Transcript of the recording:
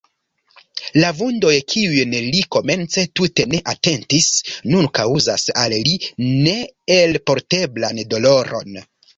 La vundoj, kiujn li komence tute ne atentis, nun kaŭzas al li neelporteblan doloron.